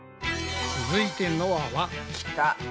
続いてのあは。きた！